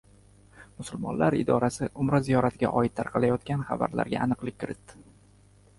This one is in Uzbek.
Musulmonlar idorasi “Umra” ziyoratiga oid tarqalayotgan xabarlarga aniqlik kiritdi